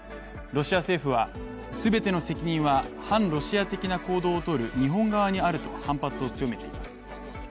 ロシア政府は全ての責任は反ロシア的な行動をとる日本側にあると反発を強めています。